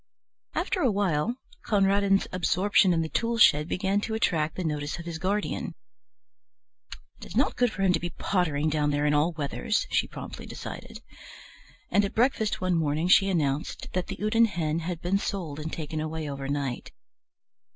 After a while Conradin's absorption in the tool shed began to attract the notice of his guardian. "It is not good for him to be pottering down there in all weathers," she promptly decided, and at breakfast one morning she announced that the Houdan hen had been sold and taken away overnight.